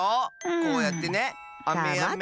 こうやってねあめやめ。